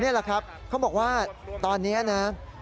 นี่แหละครับเขาบอกว่าตอนนี้นะ